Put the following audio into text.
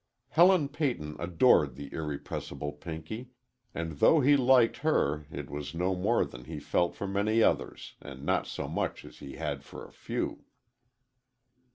Helen Peyton adored the irrepressible Pinky, and though he liked her, it was no more than he felt for many others and not so much as he had for a few.